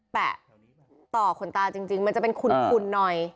แปะต่อขนตาจริงมันจะเป็นขุนหน่อย